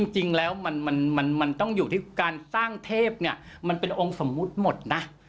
จริงแล้วมันต้องอยู่ที่การสร้างเทพเนี่ยมันเป็นองค์สมมุติหมดนะ